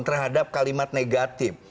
terhadap kalimat negatif